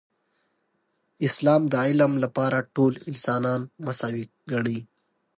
اسلام د علم لپاره ټول انسانان مساوي ګڼي.